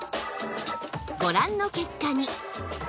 ご覧の結果に